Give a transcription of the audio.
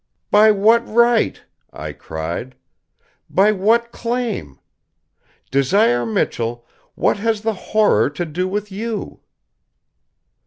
"By what right?" I cried. "By what claim? Desire Michell, what has the Horror to do with you?"